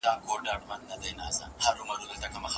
آیا بندونه تر جهیلونو زیاتي اوبه ذخیره کوي؟